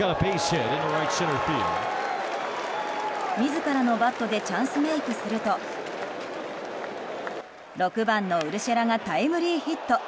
自らのバットでチャンスメイクすると６番のウルシェラがタイムリーヒット。